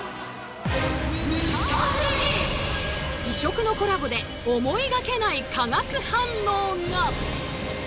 異色のコラボで思いがけない化学反応が！